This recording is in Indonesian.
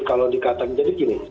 kalau dikatakan jadi gini